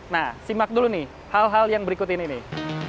nah simak dulu nih hal hal yang berikut ini nih